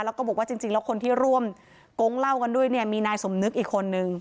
แล้วก็บอกว่าจริงแล้วคนที่ร่วมโก๊งเล่ากันด้วยเนี่ยมีนายสมนึกอีกคนนึง